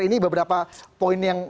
ini beberapa poin yang